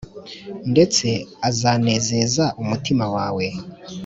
ndetse azanezeza umutima wawe